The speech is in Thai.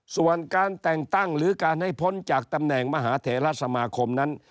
ส่วนการแต่งตั้งหรือการให้พ้นจากตำแหน่งมหาเถระสมาคมนั้น